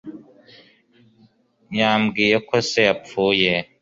Yambwiye ko se yapfuye